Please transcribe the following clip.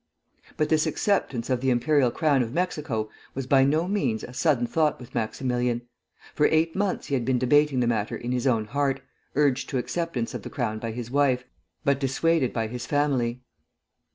But this acceptance of the imperial crown of Mexico was by no means a sudden thought with Maximilian. For eight months he had been debating the matter in his own heart, urged to acceptance of the crown by his wife, but dissuaded by his family.